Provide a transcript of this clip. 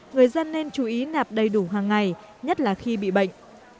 người dân nên chú ý nạp đầy đủ hàng ngày nhất là khi bị bệnh